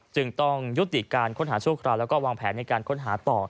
จึงต้องยุติการค้นหาชั่วคราวแล้วก็วางแผนในการค้นหาต่อ